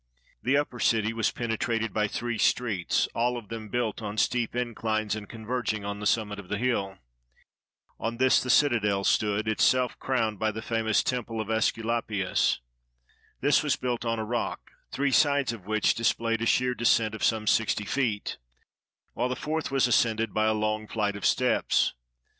The upper city was penetrated by three streets, all of them built on steep inclines, and converging on the sum mit of the hill. On this the citadel stood, itself crowned by the famous Temple of ^Esculapius. This was built on a rock, three sides of which displayed a sheer descent of some sixty feet, while the fourth was ascended by a long flight of steps.